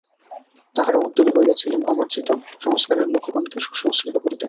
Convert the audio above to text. তাঁহারা উদ্যোগী হইয়াছিলেন অমার্জিত সংস্কারের লোকগণকে সুসংস্কৃত করিতে।